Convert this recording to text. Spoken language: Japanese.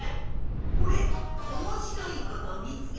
これおもしろいことみつけ